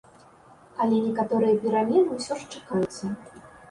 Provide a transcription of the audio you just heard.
Але некаторыя перамены ўсё ж чакаюцца.